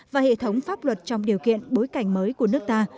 và hệ thống pháp luật trong điều kiện bối cảnh mới của nước ta